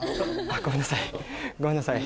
あっごめんなさい。